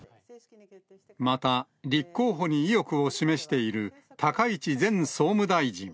また、立候補に意欲を示している高市前総務大臣。